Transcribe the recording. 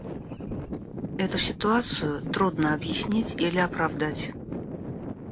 Эту ситуацию трудно объяснить или оправдать.